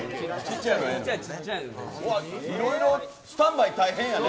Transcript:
いろいろスタンバイ大変やね。